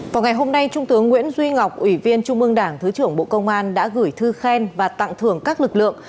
vào ngày hôm nay trung tướng nguyễn duy ngọc ủy viên trung ương đảng thứ trưởng bộ công an đã gửi thư khen và tặng thưởng các lực lượng